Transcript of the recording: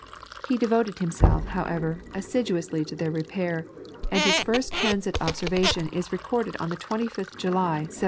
He devoted himself, however, assiduously to their repair, and his first transit observation is recorded on the 25th July, 1742.